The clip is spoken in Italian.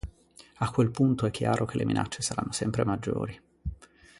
A quel punto è chiaro che le minacce saranno sempre maggiori.